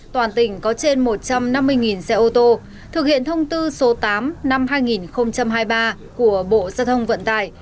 toàn tỉnh có trên một trăm năm mươi xe ô tô thực hiện thông tư số tám năm hai nghìn hai mươi ba của bộ gia thông vận tải